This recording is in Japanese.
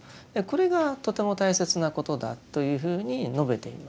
これがとても大切なことだというふうに述べています。